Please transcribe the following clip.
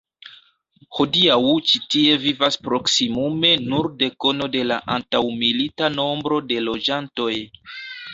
Hodiaŭ ĉi tie vivas proksimume nur dekono de la antaŭmilita nombro de loĝantoj.